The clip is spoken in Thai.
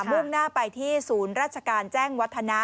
มุ่งหน้าไปที่ศูนย์ราชการแจ้งวัฒนะ